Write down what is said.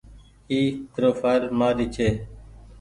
اي پروڦآئل مآري ڇي۔